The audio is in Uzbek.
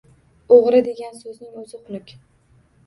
O‘g‘ri degan so‘zning o‘zi xunuk…